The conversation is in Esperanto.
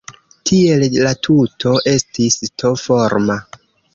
Tiel la tuto estis T-forma.